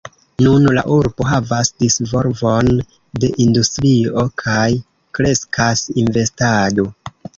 Nun la urbo havas disvolvon de industrio, kaj kreskas investado.